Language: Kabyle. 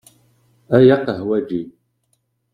A yaqahwaǧi!